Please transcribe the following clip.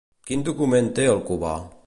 Quin document té el cubà?